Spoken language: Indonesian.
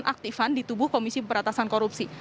atau nonaktifan di tubuh komisi pembatasan korupsi